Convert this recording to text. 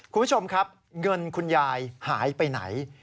คุณผู้ชมครับเงินคุณยายหายไปไหน